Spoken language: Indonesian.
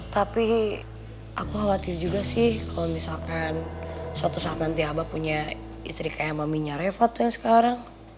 tapi aku khawatir juga sih kalau misalkan suatu saat nanti abah punya istri kayak maminya revo tuh ya sekarang